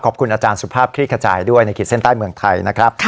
ขอบคุณอาจารย์สุภาพคลี่ขจายด้วยในขีดเส้นใต้เมืองไทยนะครับ